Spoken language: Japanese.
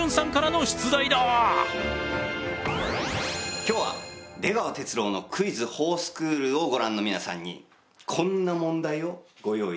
今日は「出川哲朗のクイズほぉスクール」をご覧の皆さんにこんな問題をご用意いたしました。